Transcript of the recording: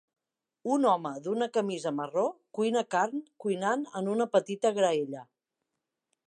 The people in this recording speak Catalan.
Un home d'una camisa marró cuina carn cuinant en una petita graella.